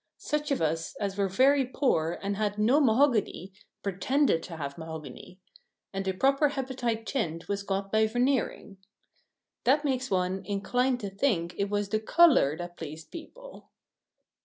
Such of us as were very poor and had no mahogany pretended to have mahogany; and the proper hepatite tint was got by veneering. That makes one incline to think it was the colour that pleased people.